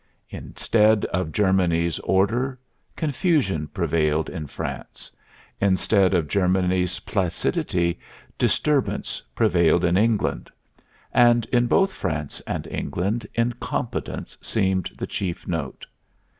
Instead of Germany's order, confusion prevailed in France; instead of Germany's placidity, disturbance prevailed in England; and in both France and England incompetence seemed the chief note.